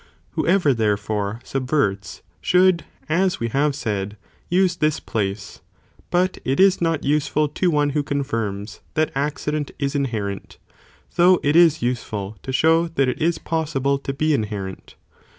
Whoever therefore subverts, should, as we have said, use this place, but it is not useful to one who confirms that accident is inherent, though it is useful to show that 1018 possible to be inherent.